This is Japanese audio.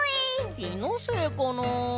きのせいかなあ。